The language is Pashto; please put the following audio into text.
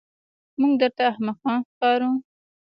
موږ درته احمقان ښکارو.